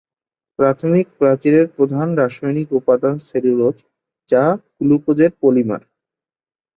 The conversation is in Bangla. প্রাথমিক প্রাচীরের প্রধান রাসায়নিক উপাদান সেলুলোজ যা গ্লুকোজের পলিমার।